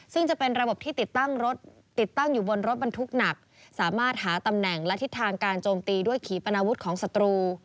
ซึ่งจะเป็นระบบที่ติดตั้งรถติดตั้งอยู่บนรถบรรทุกหนักสามารถหาตำแหน่งและทิศทางการโจมตีด้วยขีปนาวุฒิของศัตรู